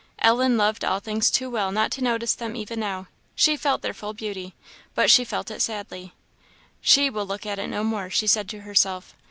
Ellen loved all things too well not to notice them even now; she felt their full beauty, but she felt it sadly. "She will look at it no more!" she said to herself.